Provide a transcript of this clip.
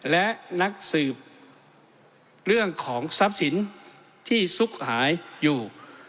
และนักสืบเรื่องของทรัพย์สินที่ซุกหายอยู่